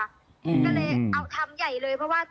ก็เลยเอาทำใหญ่เลยเพราะว่า